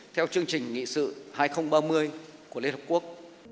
theo chương trình nghị sự hai nghìn ba mươi của liên hợp quốc